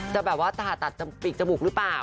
จะแบบว่าผ่าตัดปีกจมูกหรือเปล่า